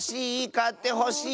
かってほしい！